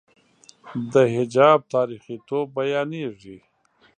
د حجاب تاریخيتوب بیانېږي.